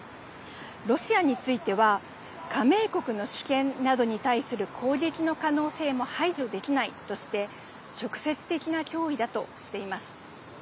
ロシアについては、加盟国の主権などに対する攻撃の可能性も排除できないとして、直接的な脅威だとしています。